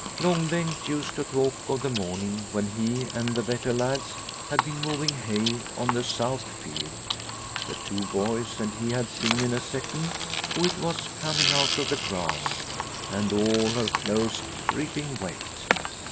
Long Bengt used to talk of the morning when he and the Vetter lads had been mowing hay on the South field. The two boys and he had seen in a second who it was coming out of the grass. And all her clothes dripping wet